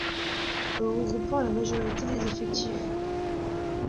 Regroupant la majorité des effectifs.